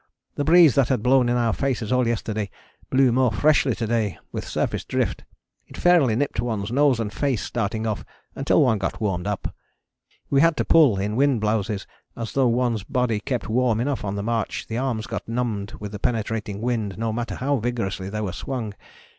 The breeze that had blown in our faces all yesterday blew more freshly to day, with surface drift. It fairly nipped one's nose and face starting off until one got warmed up. We had to pull in wind blouses, as though one's body kept warm enough on the march the arms got numbed with the penetrating wind no matter how vigorously they were swung.